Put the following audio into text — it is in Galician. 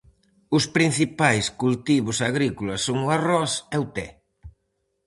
Os principais cultivos agrícolas son o arroz e o té.